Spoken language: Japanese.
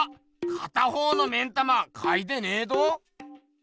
片方の目ん玉かいてねえど！